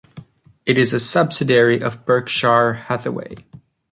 It is a subsidiary of Berkshire Hathaway.